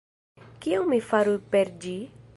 Kion mi faru per ĝi?